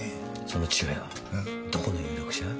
その父親はどこの有力者？